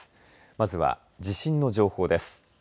まずは地震の情報です。